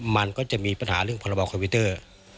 มันก็จะมีปัญหาเรื่องพรบคอมพิวเตอร์